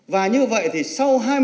và như vậy thì sau hai tháng